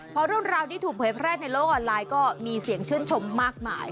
พอเรื่องราวที่ถูกเผยแพร่ในโลกออนไลน์ก็มีเสียงชื่นชมมากมาย